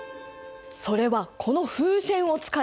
それはこの風船を使えば。